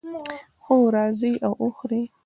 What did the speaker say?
هو، راځئ او وخورئ